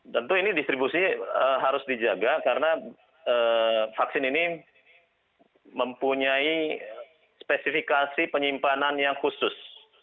tentu ini distribusi harus dijaga karena vaksin ini mempunyai spesifikasi penyimpanan yang khusus